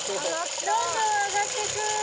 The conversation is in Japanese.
どんどん上がってく。